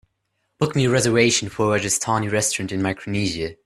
Book me a reservation for a rajasthani restaurant in Micronesia